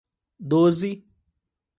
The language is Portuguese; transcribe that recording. Doze